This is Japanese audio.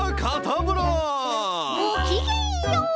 ごきげんよう！